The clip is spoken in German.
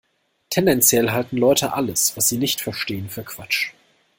Tendenziell halten Leute alles, was sie nicht verstehen, für Quatsch.